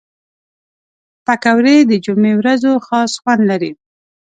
پکورې د جمعې ورځو خاص خوند لري